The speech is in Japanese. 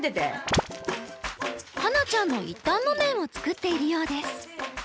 羽那ちゃんの一反木綿を作っているようです。